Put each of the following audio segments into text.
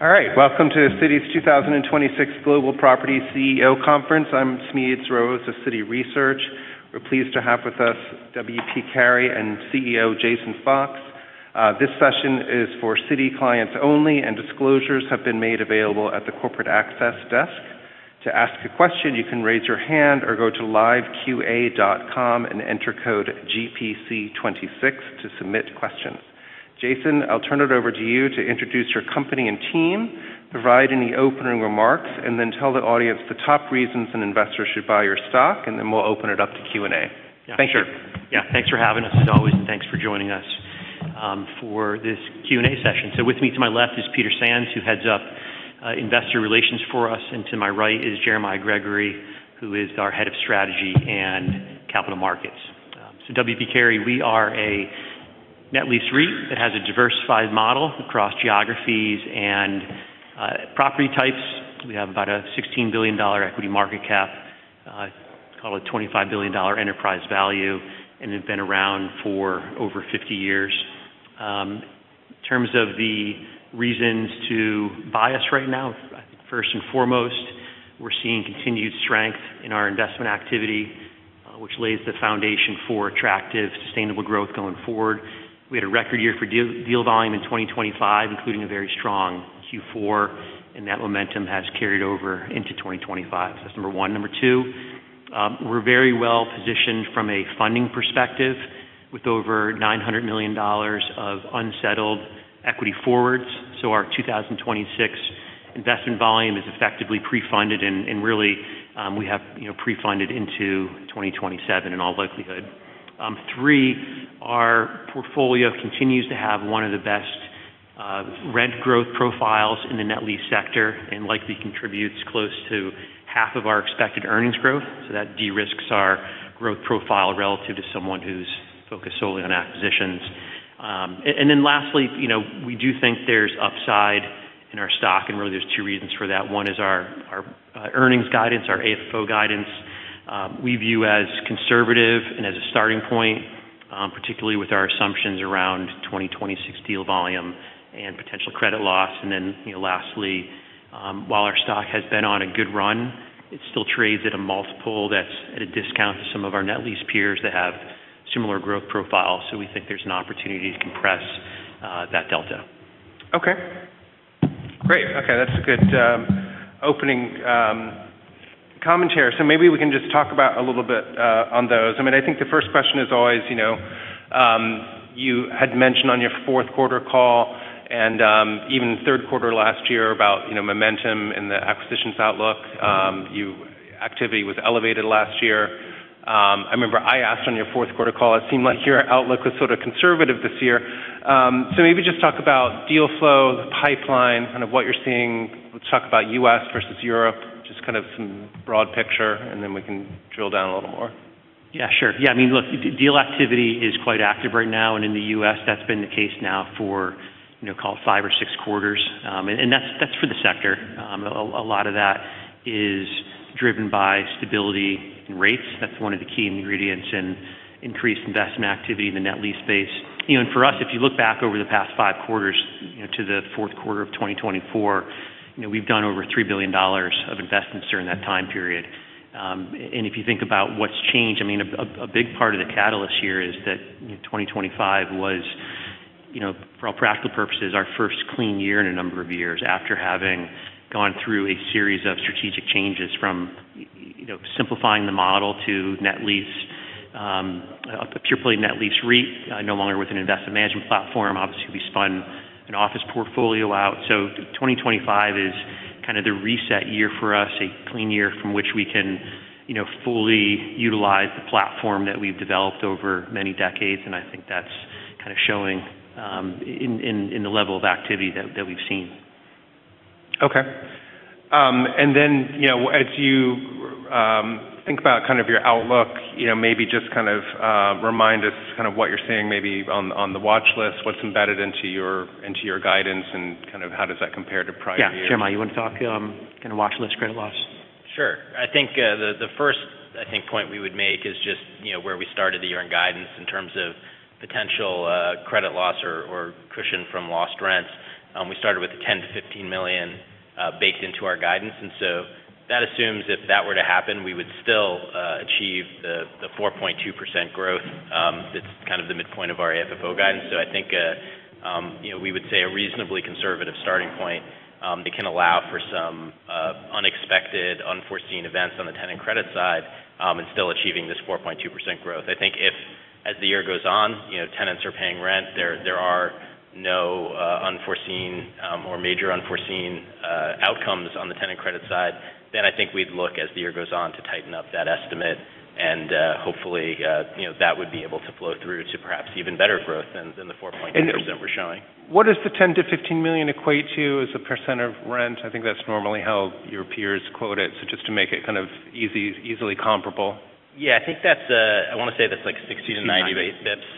All right. Welcome to the Citi's 2026 Global Property CEO Conference. I'm Smedes Rose of Citi Research. We're pleased to have with us W. P. Carey and CEO Jason Fox. This session is for Citi clients only, and disclosures have been made available at the corporate access desk. To ask a question, you can raise your hand or go to liveqa.com and enter code GPC26 to submit questions. Jason, I'll turn it over to you to introduce your company and team, provide any opening remarks, and then tell the audience the top reasons an investor should buy your stock, and then we'll open it up to Q&A. Thank you. Sure. Thanks for having us as always, and thanks for joining us for this Q&A session. With me to my left is Peter Sands, who heads up Investor Relations for us. To my right is Jeremiah Gregory, who is our Head of Strategy and Capital Markets. W. P. Carey, we are a net lease REIT that has a diversified model across geographies and property types. We have about a $16 billion equity market cap, call it $25 billion enterprise value, and have been around for over 50 years. In terms of the reasons to buy us right now, first and foremost, we're seeing continued strength in our investment activity, which lays the foundation for attractive, sustainable growth going forward. We had a record year for deal volume in 2025, including a very strong Q4, and that momentum has carried over into 2025. That's number one. Number two, we're very well positioned from a funding perspective with over $900 million of unsettled equity forwards. Our 2026 investment volume is effectively pre-funded and really, we have, you know, pre-funded into 2027 in all likelihood. Three, our portfolio continues to have one of the best rent growth profiles in the net lease sector and likely contributes close to half of our expected earnings growth. That de-risks our growth profile relative to someone who's focused solely on acquisitions. Then lastly, you know, we do think there's upside in our stock, and really there's two reasons for that. One is our earnings guidance, our AFFO guidance, we view as conservative and as a starting point, particularly with our assumptions around 2026 deal volume and potential credit loss. You know, lastly, while our stock has been on a good run, it still trades at a multiple that's at a discount to some of our net lease peers that have similar growth profiles. We think there's an opportunity to compress that delta. Okay. Great. Okay. That's a good opening commentary. Maybe we can just talk about a little bit on those. I mean, I think the first question is always, you know, you had mentioned on your Q4 call and even Q3 last year about, you know, momentum in the acquisitions outlook. Mm-hmm. Activity was elevated last year. I remember I asked on your Q4 call, it seemed like your outlook was sort of conservative this year. Maybe just talk about deal flow, the pipeline, kind of what you're seeing. We'll talk about U.S. versus Europe, just kind of some broad picture, and then we can drill down a little more. Yeah, sure. Yeah. I mean, look, deal activity is quite active right now. In the U.S., that's been the case now for, you know, call it five or six quarters. That's for the sector. A lot of that is driven by stability in rates. That's one of the key ingredients in increased investment activity in the net lease space. For us, if you look back over the past five quarters, you know, to the Q4 of 2024, you know, we've done over $3 billion of investments during that time period. If you think about what's changed, I mean, a big part of the catalyst here is that, you know, 2025 was, you know, for all practical purposes, our first clean year in a number of years after having gone through a series of strategic changes from you know, simplifying the model to net lease, a pure play net lease REIT, no longer with an investment management platform. Obviously, we spun an office portfolio out. 2025 is kind of the reset year for us, a clean year from which we can, you know, fully utilize the platform that we've developed over many decades. I think that's kind of showing, in the level of activity that we've seen. Okay. You know, as you, think about kind of your outlook, you know, maybe just kind of, remind us kind of what you're seeing maybe on the watchlist, what's embedded into your, into your guidance, and kind of how does that compare to prior years. Yeah. Jeremiah, you wanna talk, kind of watchlist credit loss? Sure. I think, the first, I think, point we would make is just, you know, where we started the year in guidance in terms of potential credit loss or cushion from lost rents. We started with $10 million-$15 million baked into our guidance. That assumes if that were to happen, we would still achieve the 4.2% growth. That's kind of the midpoint of our AFFO guidance. I think, you know, we would say a reasonably conservative starting point that can allow for some unexpected, unforeseen events on the tenant credit side and still achieving this 4.2% growth. I think if as the year goes on, you know, tenants are paying rent, there are no unforeseen or major unforeseen outcomes on the tenant credit side, then I think we'd look as the year goes on to tighten up that estimate and hopefully, you know, that would be able to flow through to perhaps even better growth than the 4.2% we're showing. What does the $10 million-$15 million equate to as a % of rent? I think that's normally how your peers quote it, so just to make it kind of easy, easily comparable. Yeah. I think that's, I wanna say that's like 60-90 basis points.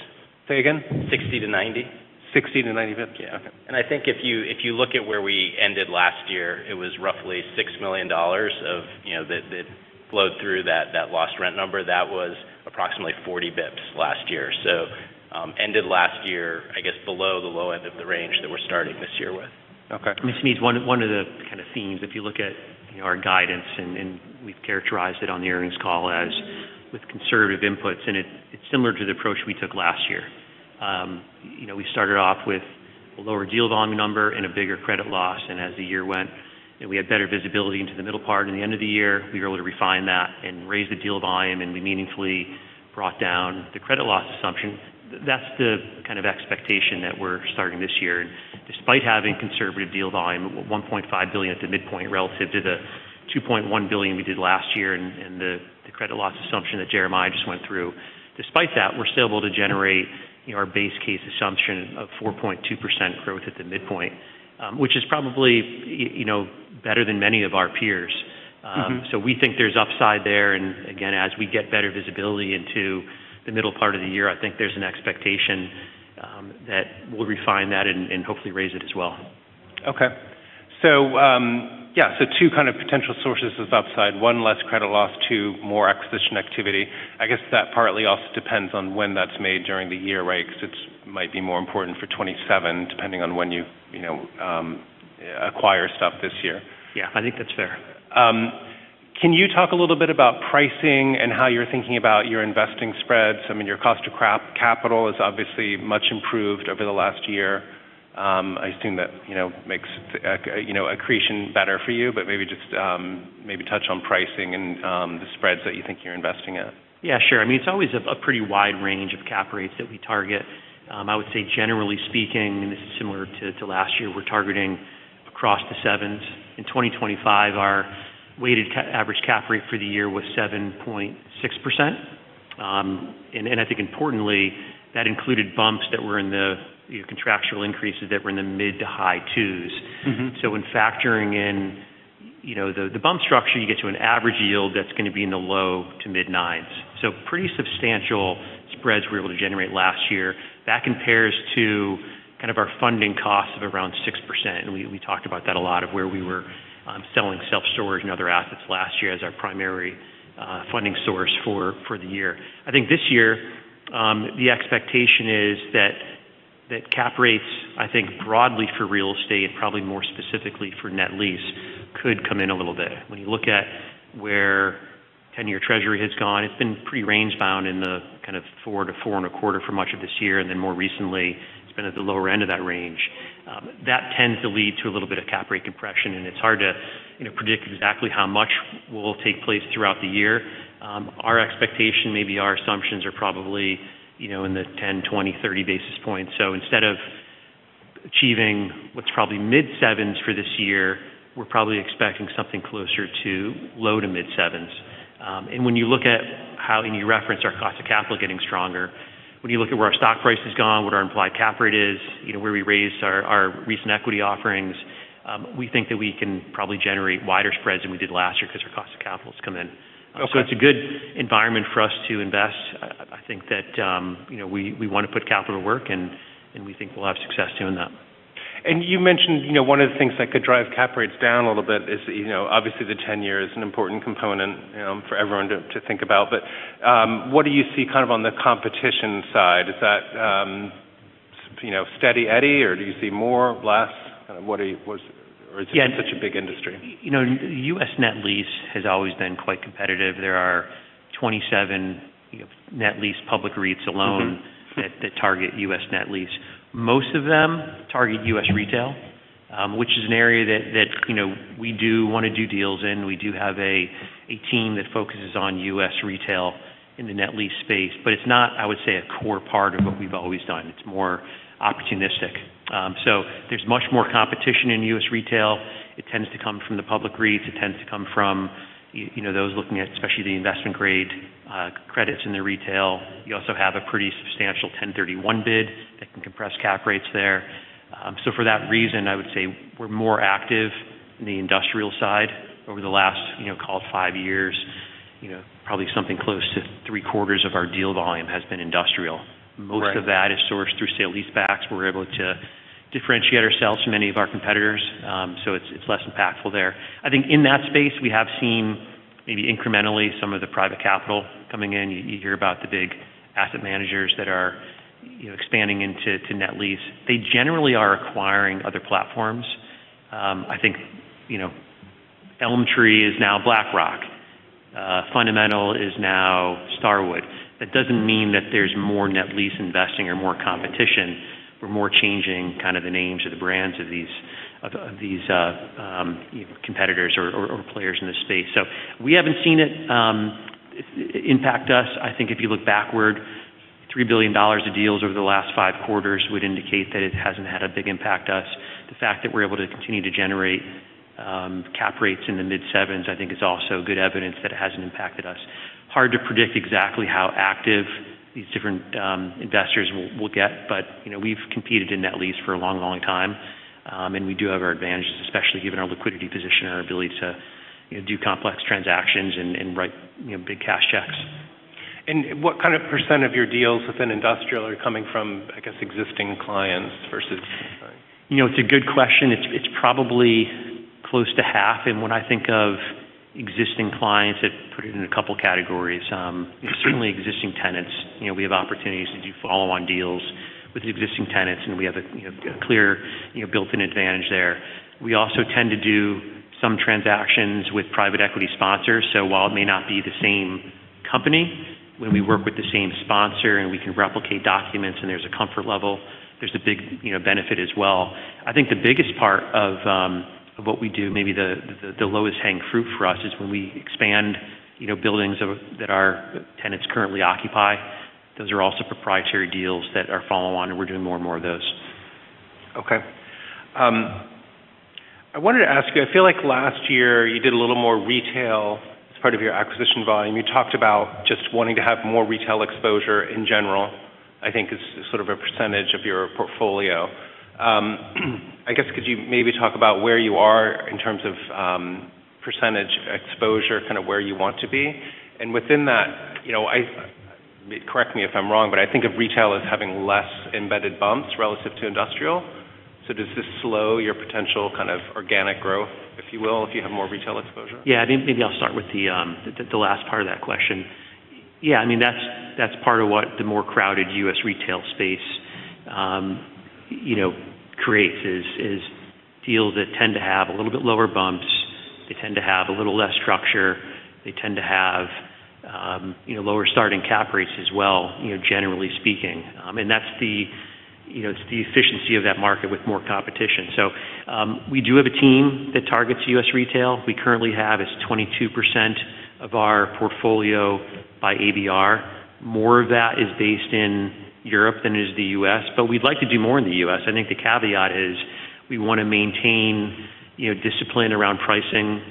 Say again? 60 to 90. 60-90 BPS? Yeah. Okay. I think if you look at where we ended last year, it was roughly $6 million of, you know, that flowed through that lost rent number. That was approximately 40 BPS last year. Ended last year, I guess, below the low end of the range that we're starting this year with. Okay. I mean, one of the kind of themes, if you look at our guidance and we've characterized it on the earnings call as with conservative inputs, and it's similar to the approach we took last year. You know, we started off with a lower deal volume number and a bigger credit loss. As the year went and we had better visibility into the middle part and the end of the year, we were able to refine that and raise the deal volume, and we meaningfully brought down the credit loss assumption. That's the kind of expectation that we're starting this year. Despite having conservative deal volume of $1.5 billion at the midpoint relative to the $2.1 billion we did last year and the credit loss assumption that Jeremiah just went through. Despite that, we're still able to generate our base case assumption of 4.2% growth at the midpoint, which is probably, you know, better than many of our peers. Mm-hmm. We think there's upside there. Again, as we get better visibility into the middle part of the year, I think there's an expectation that we'll refine that and hopefully raise it as well. Okay. Yeah. Two kind of potential sources of upside. One, less credit loss. Two, more acquisition activity. I guess that partly also depends on when that's made during the year, right? Because it might be more important for 2027 depending on when you know, acquire stuff this year. Yeah, I think that's fair. Can you talk a little bit about pricing and how you're thinking about your investing spreads? I mean, your cost to capital is obviously much improved over the last year. I assume that, you know, makes, you know, accretion better for you, but maybe just, maybe touch on pricing and, the spreads that you think you're investing in. Yeah, sure. I mean, it's always a pretty wide range of cap rates that we target. I would say generally speaking, and this is similar to last year, we're targeting across the sevens. In 2025, our weighted average cap rate for the year was 7.6%. I think importantly, that included bumps that were in the contractual increases that were in the mid to high 2%. Mm-hmm. When factoring in, you know, the bump structure, you get to an average yield that's gonna be in the low to mid 9%. Pretty substantial spreads we were able to generate last year. That compares to kind of our funding costs of around 6%. We talked about that a lot of where we were selling self-storage and other assets last year as our primary funding source for the year. I think this year, the expectation is that cap rates, I think broadly for real estate, probably more specifically for net lease, could come in a little bit. When you look at where 10-year Treasury has gone, it's been pretty range bound in the kind of 4%-4.25% for much of this year, and then more recently it's been at the lower end of that range. That tends to lead to a little bit of cap rate compression, and it's hard to predict exactly how much will take place throughout the year. Our expectation, maybe our assumptions are probably, you know, in the 10, 20, 30 basis points. Instead of achieving what's probably mid 7% for this year, we're probably expecting something closer to low to mid 7%. When you look at and you reference our cost of capital getting stronger, when you look at where our stock price has gone, what our implied cap rate is, you know, where we raised our recent equity offerings, we think that we can probably generate wider spreads than we did last year because our cost of capital has come in. Okay. It's a good environment for us to invest. I think that, you know, we want to put capital to work, and we think we'll have success doing that. You mentioned, you know, one of the things that could drive cap rates down a little bit is, you know, obviously the 10-year is an important component for everyone to think about. What do you see kind of on the competition side? Is that, you know, steady eddy, or do you see more, less? Or is it such a big industry? You know, U.S. net lease has always been quite competitive. There are 27 net lease public REITs alone. Mm-hmm... that target U.S. net lease. Most of them target U.S. retail, which is an area that, you know, we do want to do deals in. We do have a team that focuses on U.S. retail in the net lease space. It's not, I would say, a core part of what we've always done. It's more opportunistic. There's much more competition in U.S. retail. It tends to come from the public REITs. It tends to come from, you know, those looking at especially the investment grade credits in the retail. You also have a pretty substantial 1031 bid that can compress cap rates there. For that reason, I would say we're more active in the industrial side over the last, you know, call it five years. You know, probably something close to 3/4 of our deal volume has been industrial. Right. Most of that is sourced through sale-leasebacks. We're able to differentiate ourselves from many of our competitors, so it's less impactful there. I think in that space, we have seen maybe incrementally some of the private capital coming in. You hear about the big asset managers that are, you know, expanding into net lease. They generally are acquiring other platforms. I think, you know, ElmTree Funds is now BlackRock. Fundamental is now Starwood. That doesn't mean that there's more net lease investing or more competition. We're more changing kind of the names or the brands of these competitors or players in this space. We haven't seen it impact us. I think if you look backward, $3 billion of deals over the last five quarters would indicate that it hasn't had a big impact to us. The fact that we're able to continue to generate, cap rates in the mid sevens I think is also good evidence that it hasn't impacted us. Hard to predict exactly how active these different, investors will get, but, you know, we've competed in net lease for a long, long time, and we do have our advantages, especially given our liquidity position and our ability to do complex transactions and write big cash checks. What kind of % of your deals within industrial are coming from, I guess, existing clients versus? You know, it's a good question. It's probably close to half. When I think of existing clients that put it in a couple categories, certainly existing tenants. You know, we have opportunities to do follow-on deals with existing tenants, and we have a, you know, a clear, you know, built-in advantage there. We also tend to do some transactions with private equity sponsors. While it may not be the same company, when we work with the same sponsor and we can replicate documents and there's a comfort level, there's a big, you know, benefit as well. I think the biggest part of what we do, maybe the lowest hanging fruit for us, is when we expand, you know, buildings that our tenants currently occupy. Those are also proprietary deals that are follow on, and we're doing more and more of those. Okay. I wanted to ask you, I feel like last year you did a little more retail as part of your acquisition volume. You talked about just wanting to have more retail exposure in general, I think is sort of a percentage of your portfolio. I guess could you maybe talk about where you are in terms of percentage exposure, kind of where you want to be. Within that, you know, correct me if I'm wrong, but I think of retail as having less embedded bumps relative to industrial. Does this slow your potential kind of organic growth, if you will, if you have more retail exposure? Maybe I'll start with the last part of that question. Yeah, I mean, that's part of what the more crowded U.S. retail space, you know, creates is deals that tend to have a little bit lower bumps. They tend to have a little less structure. They tend to have, you know, lower starting cap rates as well, you know, generally speaking. And that's the, you know, it's the efficiency of that market with more competition. We do have a team that targets U.S. retail. We currently have as 22% of our portfolio by ABR. More of that is based in Europe than it is the U.S., but we'd like to do more in the U.S. I think the caveat is we wanna maintain, you know, discipline around pricing.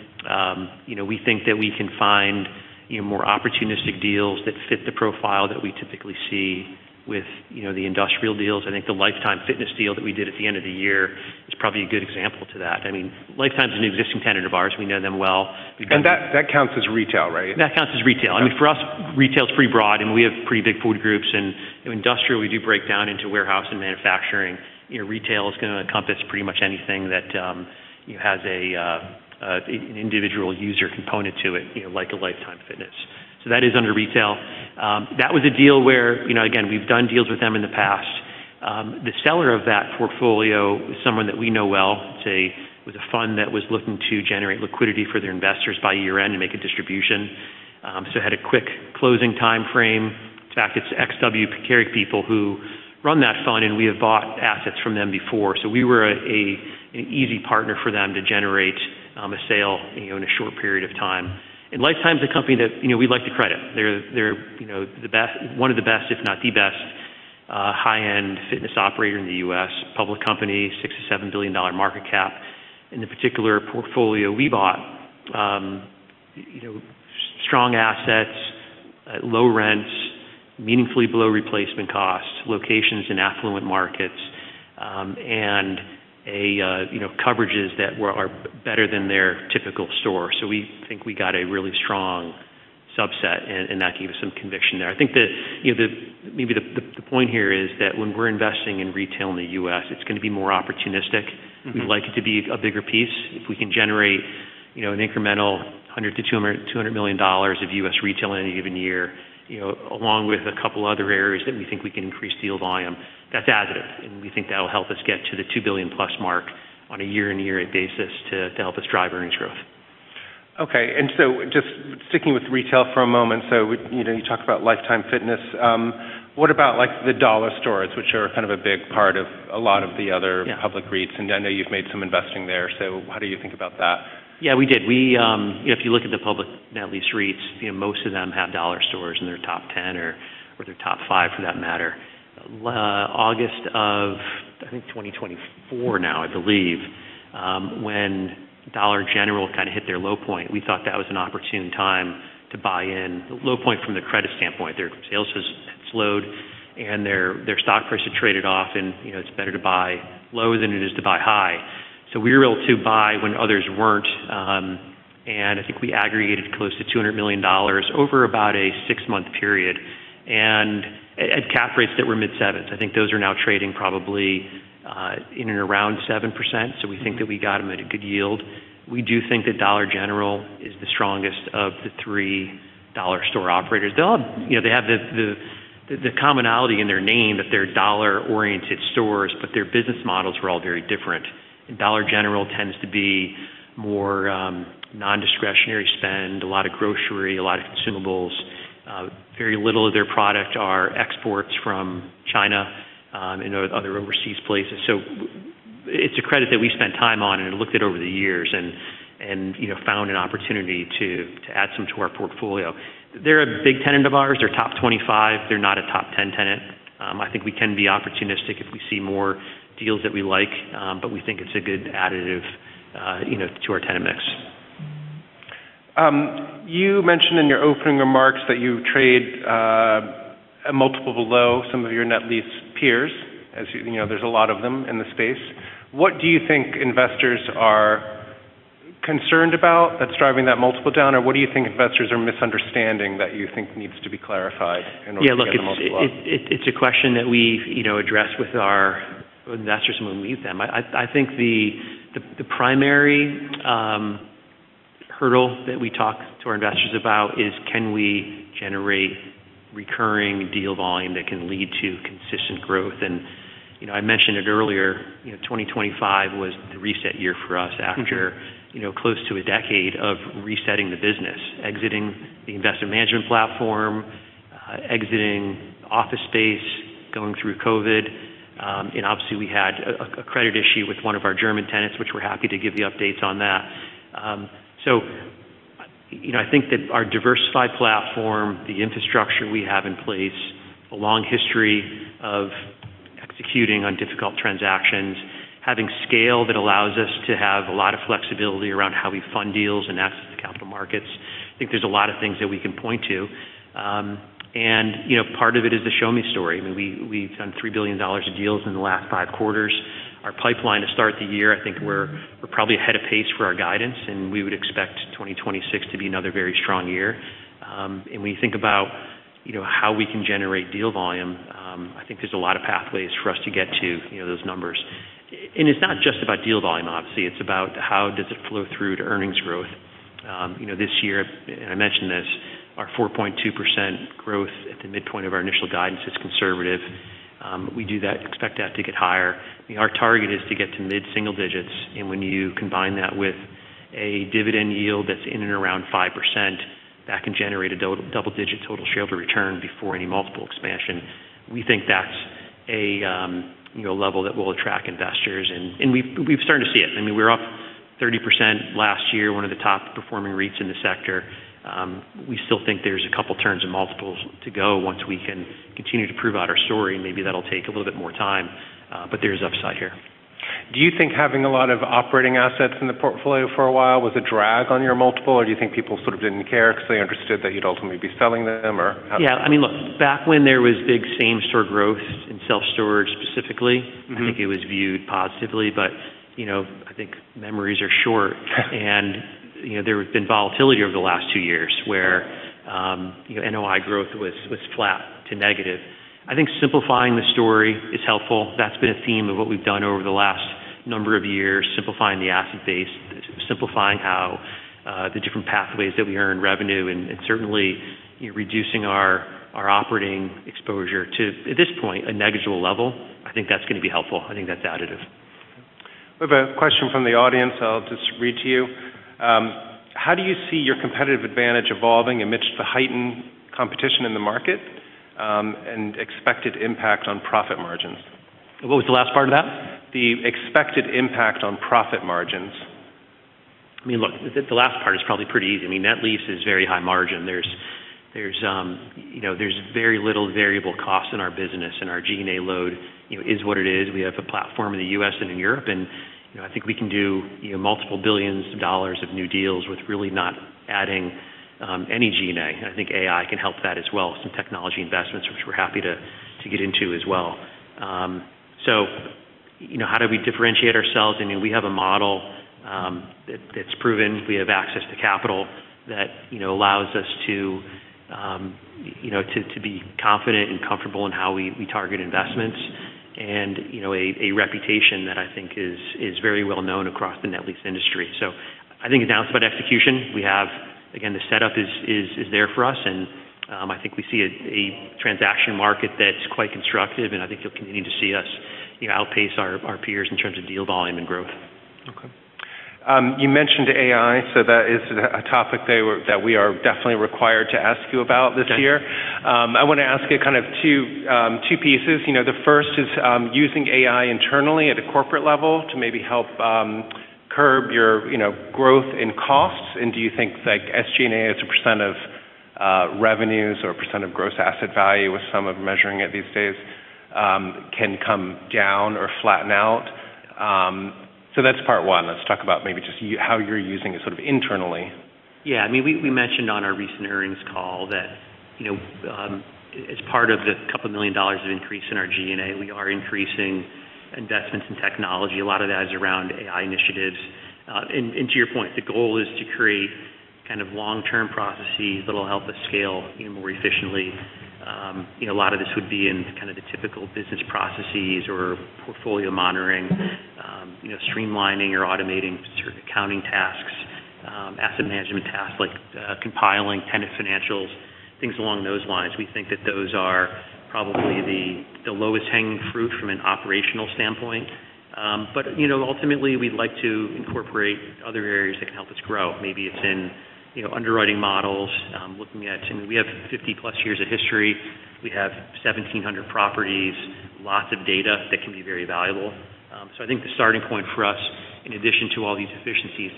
You know, we think that we can find, you know, more opportunistic deals that fit the profile that we typically see with, you know, the industrial deals. I think the Life Time deal that we did at the end of the year is probably a good example to that. I mean, Life Time's an existing tenant of ours. We know them well. That counts as retail, right? That counts as retail. I mean, for us, retail is pretty broad, and we have pretty big food groups. You know, industrial, we do break down into warehouse and manufacturing. You know, retail is gonna encompass pretty much anything that, you know, has an individual user component to it, you know, like a Life Time. That is under retail. That was a deal where, you know, again, we've done deals with them in the past. The seller of that portfolio was someone that we know well. with a fund that was looking to generate liquidity for their investors by year-end to make a distribution. had a quick closing timeframe. In fact, it's CIM people who run that fund, and we have bought assets from them before. We were an easy partner for them to generate a sale, you know, in a short period of time. Life Time's a company that, you know, we'd like to credit. They're, you know, one of the best, if not the best, high-end fitness operator in the U.S. Public company, $6 billion-$7 billion market cap. In the particular portfolio we bought, you know, strong assets at low rents, meaningfully below replacement costs, locations in affluent markets, and, you know, coverages that are better than their typical store. We think we got a really strong subset, and that gave us some conviction there. I think, you know, maybe the point here is that when we're investing in retail in the U.S., it's gonna be more opportunistic. Mm-hmm. We'd like it to be a bigger piece. If we can generate, you know, an incremental $100 million-$200 million of U.S. retail in any given year, you know, along with a couple other areas that we think we can increase deal volume, that's additive, and we think that will help us get to the $2 billion+ mark on a year-end basis to help us drive earnings growth. Okay. Just sticking with retail for a moment. You know, you talked about Life Time. What about like the dollar stores, which are kind of a big part of a lot of the other... Yeah. public REITs. I know you've made some investing there. How do you think about that? We did. We, you know, if you look at the public net lease REITs, you know, most of them have dollar stores in their top 10 or their top 5 for that matter. August of, I think, 2024 now, I believe, when Dollar General kind of hit their low point, we thought that was an opportune time to buy in. Low point from the credit standpoint. Their sales has slowed and their stock price had traded off and, you know, it's better to buy low than it is to buy high. We were able to buy when others weren't. I think we aggregated close to $200 million over about a six-month period and at cap rates that were mid-7%. I think those are now trading probably in and around 7%. We think that we got them at a good yield. We do think that Dollar General is the strongest of the three dollar store operators. They have, you know, the commonality in their name that they're dollar-oriented stores, but their business models were all very different. Dollar General tends to be more non-discretionary spend, a lot of grocery, a lot of consumables. Very little of their product are exports from China and other overseas places. It's a credit that we spent time on and looked at over the years and, you know, found an opportunity to add some to our portfolio. They're a big tenant of ours. They're top 25. They're not a top 10 tenant. I think we can be opportunistic if we see more deals that we like, but we think it's a good additive, you know, to our tenant mix. You mentioned in your opening remarks that you trade a multiple below some of your net lease peers, as you know, there's a lot of them in the space. What do you think investors are concerned about that's driving that multiple down? Or what do you think investors are misunderstanding that you think needs to be clarified in order to get the multiple up? Yeah, look, it's a question that we've, you know, addressed with our investors when we meet them. I think the primary hurdle that we talk to our investors about is can we generate recurring deal volume that can lead to consistent growth. you know, I mentioned it earlier, you know, 2025 was the reset year for us. Mm-hmm. You know, close to a decade of resetting the business, exiting the investment management platform, exiting office space, going through COVID. Obviously we had a credit issue with one of our German tenants, which we're happy to give you updates on that. You know, I think that our diversified platform, the infrastructure we have in place, a long history of executing on difficult transactions, having scale that allows us to have a lot of flexibility around how we fund deals and access to capital markets. I think there's a lot of things that we can point to. You know, part of it is the show me story. I mean, we've done $3 billion of deals in the last five quarters. Our pipeline to start the year, I think we're probably ahead of pace for our guidance, we would expect 2026 to be another very strong year. We think about, you know, how we can generate deal volume. I think there's a lot of pathways for us to get to, you know, those numbers. It's not just about deal volume, obviously. It's about how does it flow through to earnings growth. This year, and I mentioned this, our 4.2% growth at the midpoint of our initial guidance is conservative. We expect that to get higher. Our target is to get to mid-single digits, and when you combine that with a dividend yield that's in and around 5%, that can generate a double-digit total shareholder return before any multiple expansion. We think that's a, you know, level that will attract investors. We've started to see it. I mean, we're up 30% last year, one of the top performing REITs in the sector. We still think there's a couple turns of multiples to go once we can continue to prove out our story. Maybe that'll take a little bit more time, but there's upside here. Do you think having a lot of operating assets in the portfolio for a while was a drag on your multiple? Or do you think people sort of didn't care because they understood that you'd ultimately be selling them? Or how does that work? Yeah. I mean, look, back when there was big same-store growth in self-storage specifically- Mm-hmm. I think it was viewed positively. You know, I think memories are short. You know, there has been volatility over the last two years where, you know, NOI growth was flat to negative. I think simplifying the story is helpful. That's been a theme of what we've done over the last number of years, simplifying the asset base, simplifying how the different pathways that we earn revenue, and certainly, you know, reducing our operating exposure to, at this point, a negligible level. I think that's gonna be helpful. I think that's additive. We have a question from the audience I'll just read to you. How do you see your competitive advantage evolving amidst the heightened competition in the market, and expected impact on profit margins? What was the last part of that? The expected impact on profit margins. I mean, look, the last part is probably pretty easy. I mean, net lease is very high margin. There's, you know, very little variable costs in our business, and our G&A load, you know, is what it is. We have a platform in the U.S. and in Europe, you know, I think we can do, you know, multiple billions of dollars of new deals with really not adding any G&A. I think AI can help that as well, some technology investments, which we're happy to get into as well. You know, how do we differentiate ourselves? I mean, we have a model that's proven. We have access to capital that, you know, allows us to, you know, to be confident and comfortable in how we target investments. You know, a reputation that I think is very well known across the net lease industry. I think it's now about execution. Again, the setup is there for us. I think we see a transaction market that's quite constructive, and I think you'll continue to see us, you know, outpace our peers in terms of deal volume and growth. Okay. You mentioned AI, that we are definitely required to ask you about this year. Okay. I wanna ask you two pieces. You know, the first is, using AI internally at a corporate level to maybe help curb your, you know, growth in costs. Do you think, like, SG&A as a % of revenues or % of gross asset value with some of measuring it these days, can come down or flatten out? That's part one. Let's talk about maybe just you, how you're using it sort of internally. Yeah. I mean, we mentioned on our recent earnings call that, you know, as part of the $2 million of increase in our G&A, we are increasing investments in technology. A lot of that is around AI initiatives. To your point, the goal is to create kind of long-term processes that'll help us scale even more efficiently. You know, a lot of this would be in kind of the typical business processes or portfolio monitoring, you know, streamlining or automating certain accounting tasks, asset management tasks like compiling tenant financials, things along those lines. We think that those are probably the lowest hanging fruit from an operational standpoint. You know, ultimately, we'd like to incorporate other areas that can help us grow. Maybe it's in, you know, underwriting models. We have 50-plus years of history. We have 1,700 properties, lots of data that can be very valuable. I think the starting point for us, in addition to all these efficiencies.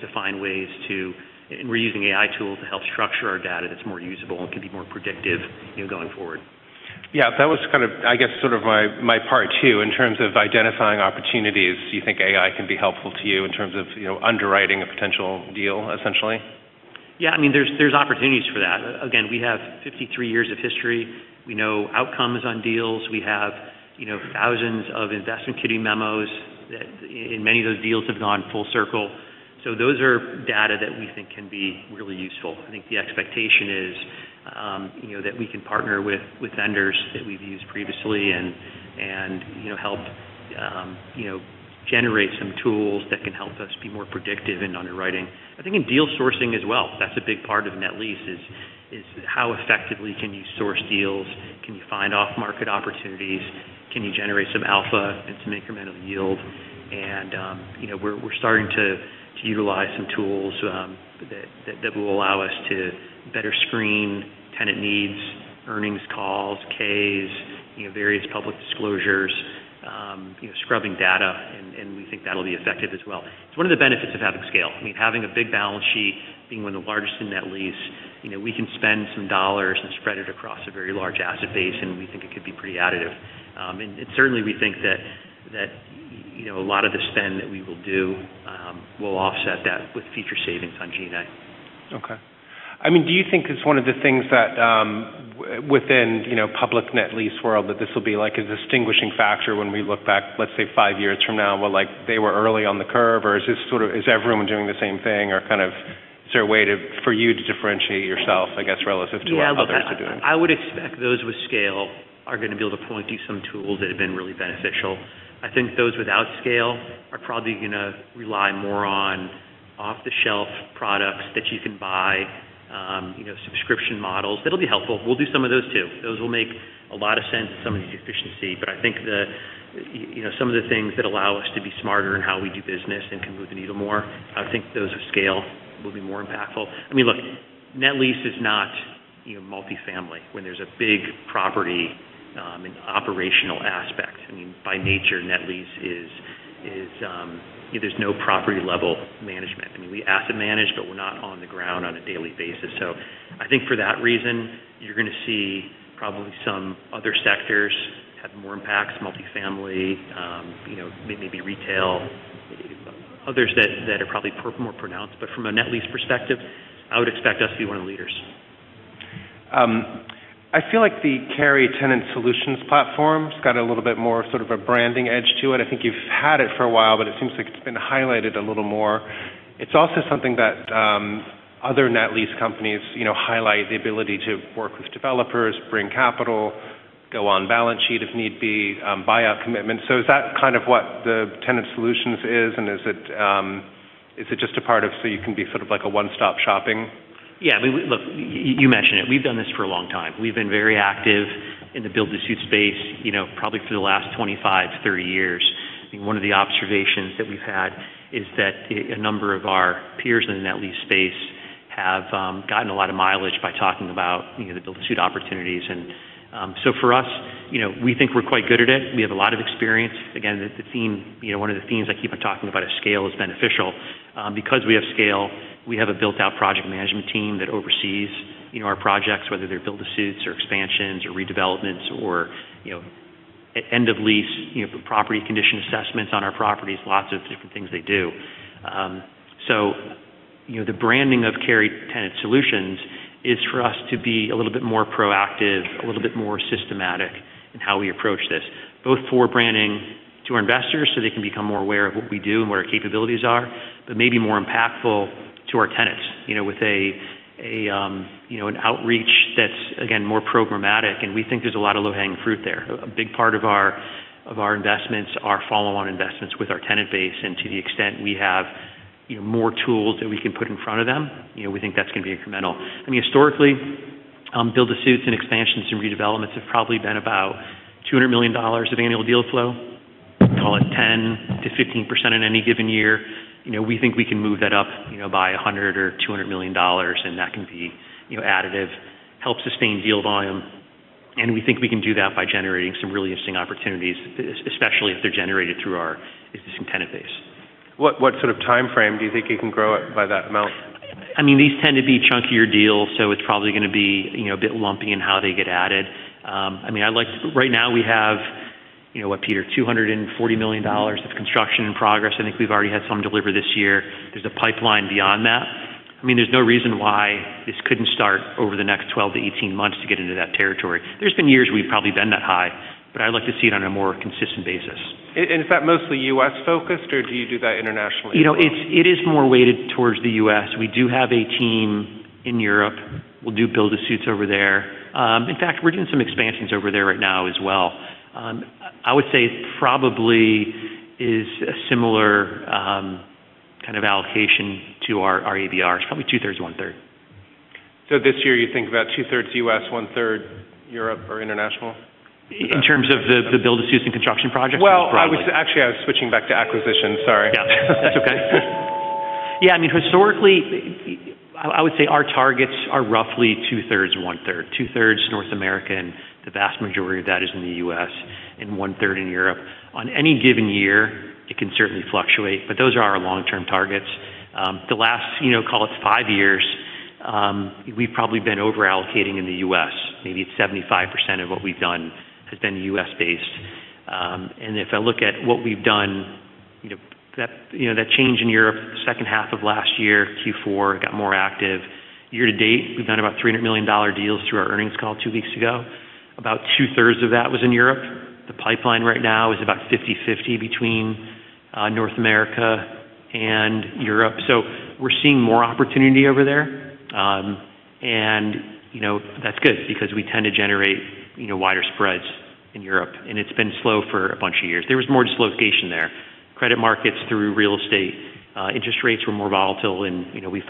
We're using AI tools to help structure our data that's more usable and can be more predictive, you know, going forward. That was kind of, I guess, sort of my part too, in terms of identifying opportunities. Do you think AI can be helpful to you in terms of, you know, underwriting a potential deal, essentially? Yeah, I mean, there's opportunities for that. Again, we have 53 years of history. We know outcomes on deals. We have, you know, thousands of investment committee memos that and many of those deals have gone full circle. Those are data that we think can be really useful. I think the expectation is, you know, that we can partner with vendors that we've used previously and, you know, help, you know, generate some tools that can help us be more predictive in underwriting. I think in deal sourcing as well, that's a big part of net lease is how effectively can you source deals? Can you find off-market opportunities? Can you generate some alpha and some incremental yield? You know, we're starting to utilize some tools that will allow us to better screen tenant needs, earnings calls, 10-Ks, you know, various public disclosures, you know, scrubbing data, we think that'll be effective as well. It's one of the benefits of having scale. I mean, having a big balance sheet, being one of the largest in net lease, you know, we can spend some dollars and spread it across a very large asset base, and we think it could be pretty additive. Certainly we think that, you know, a lot of the spend that we will do will offset that with future savings on G&A. Okay. I mean, do you think it's one of the things that, within, you know, public net lease world that this will be like a distinguishing factor when we look back, let's say, five years from now? Well, like, they were early on the curve, or Is everyone doing the same thing or kind of is there a way for you to differentiate yourself, I guess, relative to what others are doing? Yeah. Well, I would expect those with scale are gonna be able to point to some tools that have been really beneficial. I think those without scale are probably gonna rely more on off-the-shelf products that you can buy, you know, subscription models. That'll be helpful. We'll do some of those too. Those will make a lot of sense in some of the efficiency. I think you know, some of the things that allow us to be smarter in how we do business and can move the needle more, I think those with scale will be more impactful. I mean, look, net lease is not, you know, multifamily when there's a big property and operational aspect. I mean, by nature, net lease is, you know, there's no property-level management. I mean, we asset manage. We're not on the ground on a daily basis. I think for that reason, you're gonna see probably some other sectors have more impacts, multifamily, you know, maybe retail, others that are probably more pronounced. From a net lease perspective, I would expect us to be one of the leaders. I feel like the Carey Tenant Solutions platform's got a little bit more sort of a branding edge to it. I think you've had it for a while, but it seems like it's been highlighted a little more. It's also something that, other net lease companies, you know, highlight the ability to work with developers, bring capital, go on balance sheet if need be, buyout commitment. Is that kind of what the Tenant Solutions is? Is it just a part of so you can be sort of like a one-stop shopping? I mean, look, you mentioned it. We've done this for a long time. We've been very active in the build-to-suit space, you know, probably for the last 25 to 30 years. I think one of the observations that we've had is that a number of our peers in the net lease space have gotten a lot of mileage by talking about, you know, the build-to-suit opportunities. For us, you know, we think we're quite good at it. We have a lot of experience. Again, the theme, you know, one of the themes I keep on talking about is scale is beneficial. Because we have scale, we have a built-out project management team that oversees, you know, our projects, whether they're build-to-suits or expansions or redevelopments or, you know, e-end of lease, you know, property condition assessments on our properties, lots of different things they do. You know, the branding of Carey Tenant Solutions is for us to be a little bit more proactive, a little bit more systematic in how we approach this, both for branding to our investors so they can become more aware of what we do and what our capabilities are, but maybe more impactful to our tenants, you know, with an outreach that's, again, more programmatic, and we think there's a lot of low-hanging fruit there. A big part of our, of our investments are follow-on investments with our tenant base. To the extent we have, you know, more tools that we can put in front of them, you know, we think that's gonna be incremental. I mean, historically, build-to-suits and expansions and redevelopments have probably been about $200 million of annual deal flow. Call it 10%-15% in any given year. You know, we think we can move that up, you know, by $100 million or $200 million, and that can be, you know, additive, help sustain deal volume. We think we can do that by generating some really interesting opportunities, especially if they're generated through our existing tenant base. What sort of timeframe do you think you can grow it by that amount? I mean, these tend to be chunkier deals. It's probably gonna be, you know, a bit lumpy in how they get added. I mean, right now we have, you know, what, Peter? $240 million of construction in progress. I think we've already had some deliver this year. There's a pipeline beyond that. I mean, there's no reason why this couldn't start over the next 12 to 18 months to get into that territory. There's been years we've probably been that high. I'd like to see it on a more consistent basis. Is that mostly U.S.-focused, or do you do that internationally as well? You know, it is more weighted towards the US. We do have a team in Europe. We'll do build-to-suits over there. In fact, we're doing some expansions over there right now as well. I would say it probably is a similar kind of allocation to our ADR. It's probably two-thirds, one-third. This year you think about two-thirds U.S., one-third Europe or international? In terms of the build-to-suits and construction projects? Well, actually, I was switching back to acquisitions. Sorry. Yeah. That's okay. Yeah. I mean, historically, I would say our targets are roughly two-thirds and one-third. Two-thirds North America. The vast majority of that is in the U.S. One-third in Europe. On any given year, it can certainly fluctuate, those are our long-term targets. The last, you know, call it five years, we've probably been over-allocating in the U.S. Maybe it's 75% of what we've done has been U.S.-based. If I look at what we've done, you know, that change in Europe the second half of last year, Q4 got more active. Year to date, we've done about $300 million deals through our earnings call 2 weeks ago. About two-thirds of that was in Europe. The pipeline right now is about 50/50 between North America and Europe. We're seeing more opportunity over there. You know, that's good because we tend to generate, you know, wider spreads in Europe, and it's been slow for a bunch of years. There was more dislocation there. Credit markets through real estate. Interest rates were more volatile and, you know, we've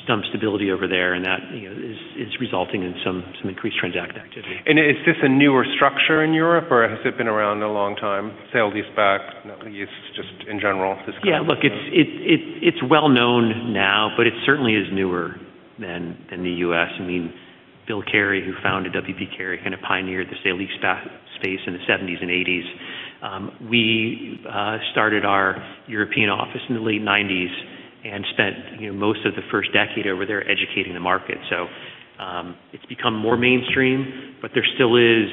finally seen some stability over there, and that, you know, is resulting in some increased transaction activity. Is this a newer structure in Europe or has it been around a long time, sale-leaseback at least just in general, this kind of? Look, it's well known now, but it certainly is newer than the U.S. I mean, Bill Carey, who founded W. P. Carey, kind of pioneered the sale-leaseback space in the 70s and 80s. We started our European office in the late 90s and spent, you know, most of the first decade over there educating the market. It's become more mainstream, but there still is,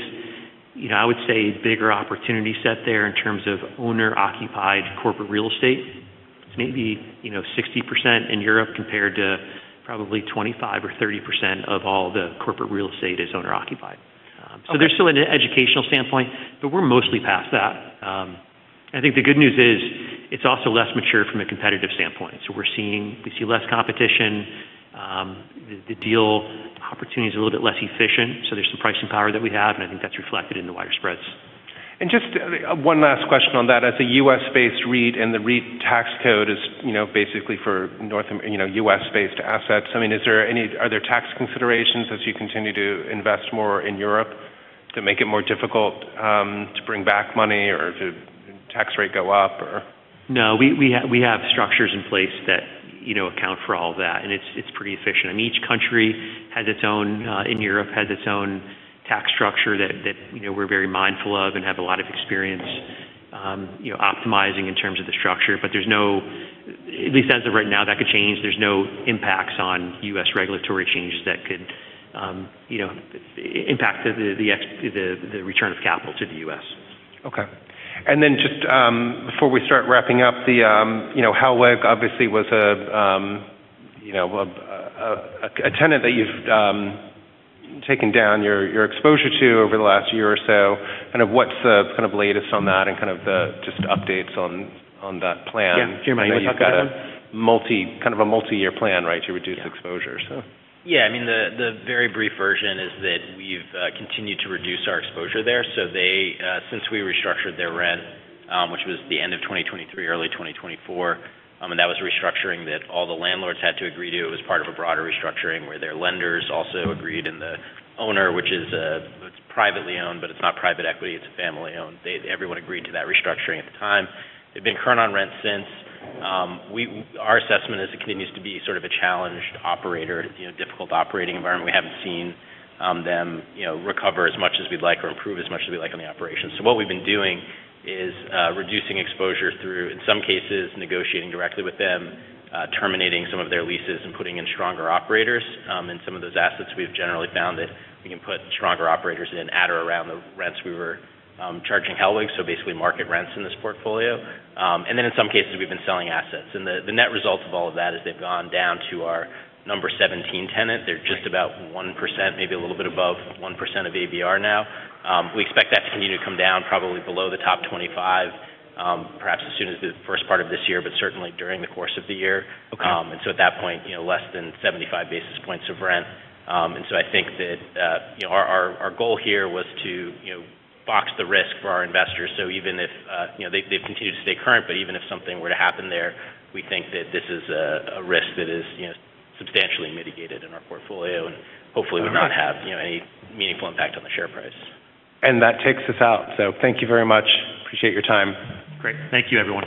you know, I would say, bigger opportunity set there in terms of owner-occupied corporate real estate. It's maybe, you know, 60% in Europe compared to probably 25% or 30% of all the corporate real estate is owner-occupied. So there's still an educational standpoint, but we're mostly past that. I think the good news is it's also less mature from a competitive standpoint. We see less competition. The deal opportunity is a little bit less efficient, so there's some pricing power that we have, and I think that's reflected in the wider spreads. Just one last question on that. As a U.S.-based REIT and the REIT tax code is, you know, basically for you know, U.S.-based assets. I mean, are there tax considerations as you continue to invest more in Europe to make it more difficult to bring back money or do tax rate go up or? We have structures in place that, you know, account for all that, and it's pretty efficient. I mean, each country has its own, in Europe, has its own tax structure that, you know, we're very mindful of and have a lot of experience, you know, optimizing in terms of the structure. At least as of right now, that could change. There's no impacts on U.S. regulatory changes that could, you know, impact the return of capital to the U.S. Okay. Just, before we start wrapping up the, you know, Hellweg obviously was a, you know, a tenant that you've, taken down your exposure to over the last year or so. Kind of what's the, kind of latest on that and kind of the just updates on that plan? Yeah. Do you mind if I talk about it? You've got a kind of a multi-year plan, right, to reduce exposure, so. I mean, the very brief version is that we've continued to reduce our exposure there. Since we restructured their rent, which was the end of 2023, early 2024, and that was restructuring that all the landlords had to agree to. It was part of a broader restructuring where their lenders also agreed, and the owner, which is, it's privately owned, but it's not private equity, it's family-owned. Everyone agreed to that restructuring at the time. They've been current on rent since. Our assessment is it continues to be sort of a challenged operator, you know, difficult operating environment. We haven't seen them, you know, recover as much as we'd like or improve as much as we'd like on the operations. What we've been doing is reducing exposure through, in some cases, negotiating directly with them, terminating some of their leases and putting in stronger operators. In some of those assets, we've generally found that we can put stronger operators in at or around the rents we were charging Hellweg, so basically market rents in this portfolio. In some cases we've been selling assets. The net result of all of that is they've gone down to our number 17 tenant. They're just about 1%, maybe a little bit above 1% of ABR now. We expect that to continue to come down probably below the top 25, perhaps as soon as the first part of this year, but certainly during the course of the year. Okay. At that point, you know, less than 75 basis points of rent. I think that, you know, our, our goal here was to, you know, box the risk for our investors. Even if, you know, they've continued to stay current, but even if something were to happen there, we think that this is a risk that is, you know, substantially mitigated in our portfolio and hopefully will not have, you know, any meaningful impact on the share price. That takes us out. Thank you very much. Appreciate your time. Great. Thank you everyone.